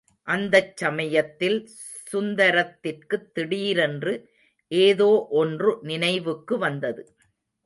அந்தச் சமயத்தில் சுந்தரத்திற்குத் திடீரென்று ஏதோ ஒன்று நினைவுக்கு வந்தது.